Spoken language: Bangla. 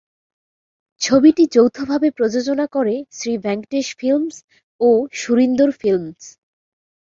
ছবিটি যৌথভাবে প্রযোজনা করে শ্রী ভেঙ্কটেশ ফিল্মস ও সুরিন্দর ফিল্মস।